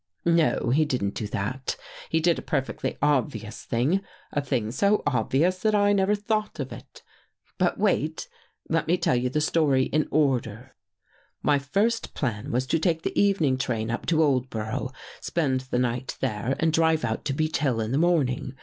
"" No, he didn't do that. He did a perfectly obvious thing — a thing so obvious that I never thought of It. But wait! Let me tell you the story In order. " My first plan was to take the evening train up to Oldborough, spend the night there and drive out to Beech Hill In the morning.